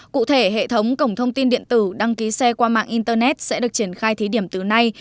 cụ thể hệ thống cổng thông tin điện tử đăng ký xe qua mạng internet sẽ được triển khai thí điểm từ nay